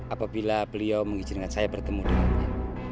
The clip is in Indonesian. apabila beliau mengizinkan saya bertemu dengannya